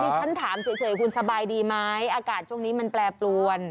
ฉันถามเฉยคุณสบายดีไหมอากาศช่วงนี้มันแปรปรวน